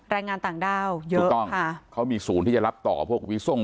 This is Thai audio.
รายงานต่างดาวเยอะค่ะเค้ามีศูนย์ที่จะรับต่อพวกวิทย์ทรง